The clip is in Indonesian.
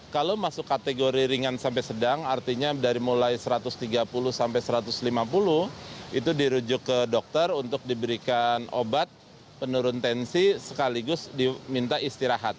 kalau masuk kategori ringan sampai sedang artinya dari mulai satu ratus tiga puluh sampai satu ratus lima puluh itu dirujuk ke dokter untuk diberikan obat penurun tensi sekaligus diminta istirahat